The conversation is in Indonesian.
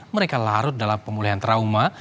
mereka larut dalam pemulihan trauma